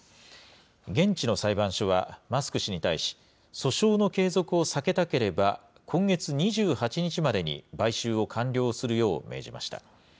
現地の裁判所はマスク氏に対し、訴訟の継続を避けたければ、今月２８日までに買収を完了するよう命じました。